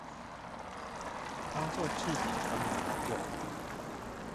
當作置頂功能來用